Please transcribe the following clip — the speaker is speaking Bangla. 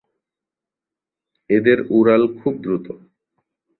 এদের উড়াল খুব দ্রুত।